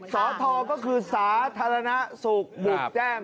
สทก็คือสาธารณสุขบุกแจ้ง